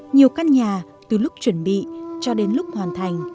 nhiều căn nhà từ lúc chuẩn bị cho đến lúc hoàn thành